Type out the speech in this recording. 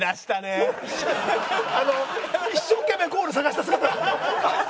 あの一生懸命ゴール探した。